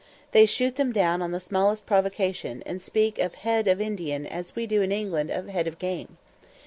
They shoot them down on the smallest provocation, and speak of "head of Indian," as we do in England of head of game.